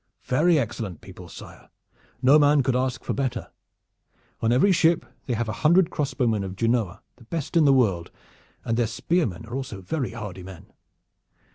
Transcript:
"Very excellent people, sire, and no man could ask for better. On every ship they have a hundred crossbowmen of Genoa, the best in the world, and their spearmen also are very hardy men.